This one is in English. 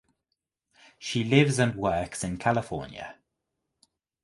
She lives and works in California.